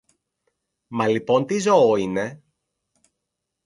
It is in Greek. Μα λοιπόν τι ζώο είναι;